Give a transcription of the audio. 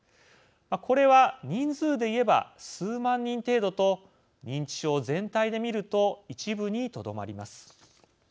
これは人数で言えば数万人程度と認知症全体で見ると一部にとどまります。